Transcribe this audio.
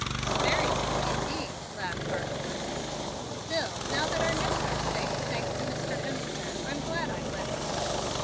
"Very dimly indeed," laughed Harcourt. "Still, now that our necks are safe, thanks to Mr. Hemstead, I'm glad I went.